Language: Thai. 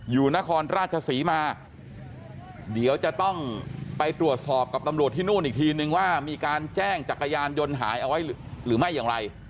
นครราชศรีมาเดี๋ยวจะต้องไปตรวจสอบกับตำรวจที่นู่นอีกทีนึงว่ามีการแจ้งจักรยานยนต์หายเอาไว้หรือไม่อย่างไร